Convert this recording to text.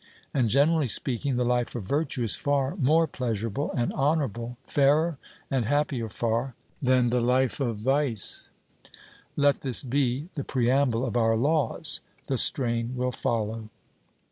And, generally speaking, the life of virtue is far more pleasurable and honourable, fairer and happier far, than the life of vice. Let this be the preamble of our laws; the strain will follow.